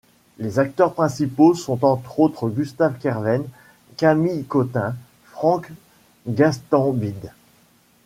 Les acteurs principaux sont, entre autres, Gustave Kervern, Camille Cottin, Franck Gastambide.